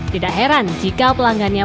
tidak heran jika pelanggannya